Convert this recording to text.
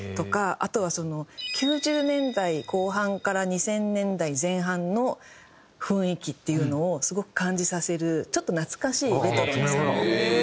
あとは９０年代後半から２０００年代前半の雰囲気というのをすごく感じさせるちょっと懐かしいレトロなサウンド。